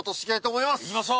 いきましょう。